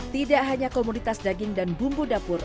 tidak hanya komoditas daging dan bumbu dapur